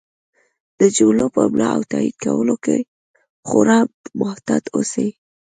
د جملو په املا او تایید کولو کې خورا محتاط اوسئ!